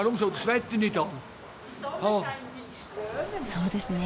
そうですね。